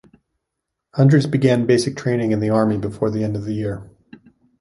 Hundreds began basic training in the Army before the end of the year.